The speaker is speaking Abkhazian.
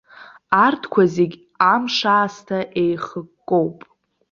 Арҭқәа зегь амш аасҭа еихыккоуп!